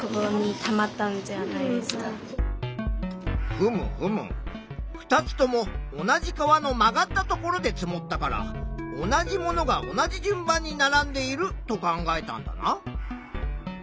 ふむふむ２つとも同じ川の曲がったところで積もったから同じものが同じ順番に並んでいると考えたんだな。